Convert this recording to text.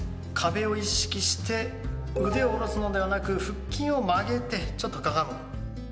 壁を意識して腕を下ろすのではなく腹筋を曲げてちょっとかがむ。